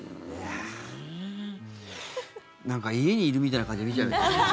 なんか家にいるみたいな感じで見ちゃう。